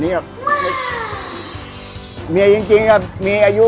เมียจริงมีอายุ๑๘